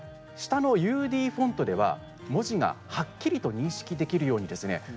下のＵＤフォントでは文字がはっきりと認識できるようにですね